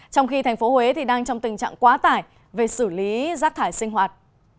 trong khi thành phố huế đang trong tình trạng quá tải về xử lý rác thải sinh hoạt